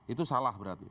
itu salah berarti